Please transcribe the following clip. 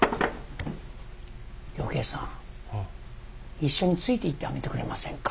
一緒についていってあげてくれませんか？